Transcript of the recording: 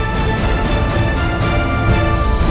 buat siapa dia beli